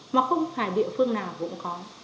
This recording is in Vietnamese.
mà không phải địa phương nào cũng có